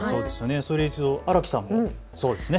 それでいうと荒木さんもそうですね。